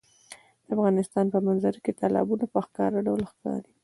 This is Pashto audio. د افغانستان په منظره کې تالابونه په ښکاره ډول ښکاري.